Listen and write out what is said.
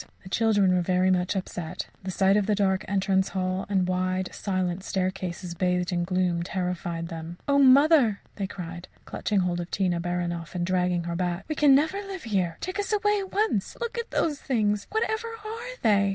The children were very much upset. The sight of the dark entrance hall and wide, silent staircases, bathed in gloom, terrified them. "Oh, mother!" they cried, clutching hold of Tina Baranoff and dragging her back, "we can never live here. Take us away at once. Look at those things. Whatever are they?"